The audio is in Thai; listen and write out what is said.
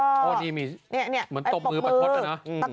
โอ้ที่มีเหมือนตรงมือบรรทดนะ